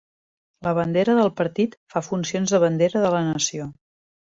La bandera del partit fa funcions de bandera de la nació.